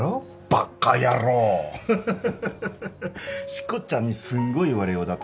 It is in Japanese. しこちゃんにすんごい言われようだったぞ。